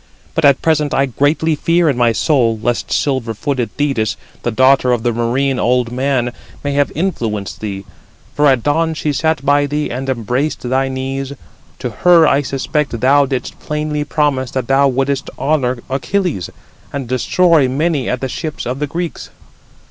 But at present I greatly fear in my soul, lest silver footed Thetis, the daughter of the marine old man, may have influenced thee: for at dawn she sat by thee and embraced thy knees: to her I suspect thou didst plainly promise that thou wouldest honour Achilles, and destroy many at the ships of the Greeks."